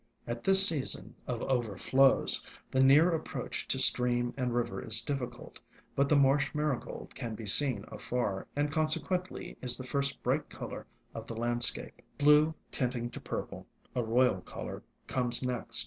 At this season of overflows, the near approach to stream and river is difficult; but the Marsh Mari gold can be seen afar, and consequently is the first bright color of the landscape. Blue, tinting to purple, a royal color, comes next.